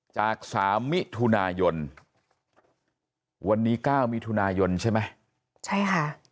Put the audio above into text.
จากสามมิถุนายนวันนี้๙มิถุนายนใช่ไหมใช่ค่ะ